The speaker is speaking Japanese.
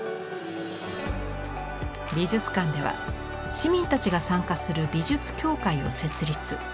美術館では市民たちが参加する美術協会を設立。